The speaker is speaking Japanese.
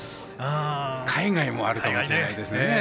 海外もあるかもしれないですね。